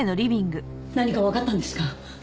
何かわかったんですか？